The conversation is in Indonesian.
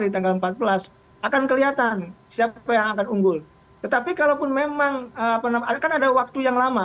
di tanggal empat belas akan kelihatan siapa yang akan unggul tetapi kalaupun memang akan ada waktu yang lama